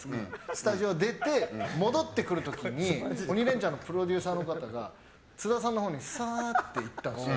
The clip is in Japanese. スタジオ出て、戻ってくる時に「鬼レンチャン」のプロデューサーの方が津田さんのほうにさーって行ったんです。